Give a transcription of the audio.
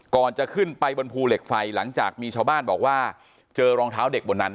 ก่อนจะขึ้นไปบนภูเหล็กไฟหลังจากมีชาวบ้านบอกว่าเจอรองเท้าเด็กบนนั้น